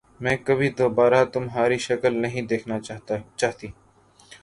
میں کبھی دوبارہ تمہاری شکل نہیں دیکھنا چاہتی۔